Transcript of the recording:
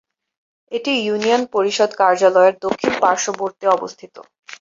এটি ইউনিয়ন পরিষদ কার্যালয়ের দক্ষিণ পার্শ্ববর্তী অবস্থিত।